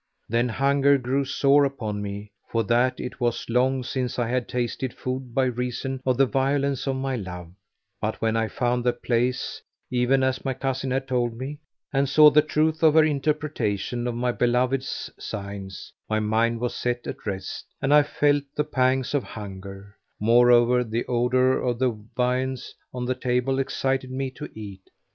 Then hunger grew sore upon me, for that it was long since I had tasted food by reason of the violence of my love: but when I found the place even as my cousin had told me, and saw the truth of her in terpretation of my beloved's signs, my mind was set at rest and I felt the pangs of hunger; moreover, the odour of the viands on the table excited me to eat.